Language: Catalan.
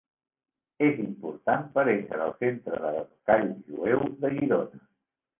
És important per esser el centre del Call Jueu de Girona.